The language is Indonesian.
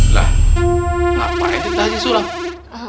lah ngapain tuh pakcik sulam